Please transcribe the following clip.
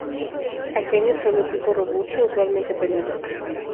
Aquenios con un pico robusto, usualmente peludos.